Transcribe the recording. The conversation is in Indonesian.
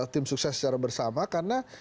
tim sukses secara bersama karena